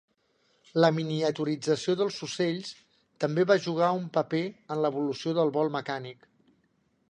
La miniaturització dels ocells també va jugar un paper en l'evolució del vol mecànic.